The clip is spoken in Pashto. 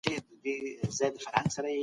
هیڅ شاعر د بل ځای نه شي ډکولای.